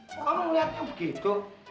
kok kamu ngeliatnya begitu